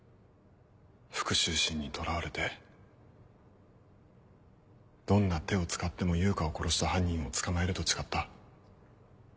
復讐心に囚われてどんな手を使っても悠香を殺した犯人を捕まえると誓った。